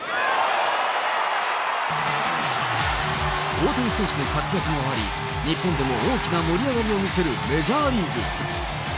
大谷選手の活躍もあり、日本でも大きな盛り上がりを見せるメジャーリーグ。